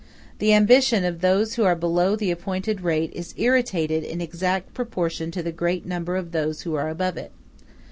The ambition of those who are below the appointed rate is irritated in exact proportion to the great number of those who are above it.